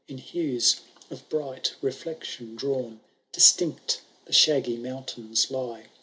In hues of bright reflection drawn. Distinct the shaggy mountains lie.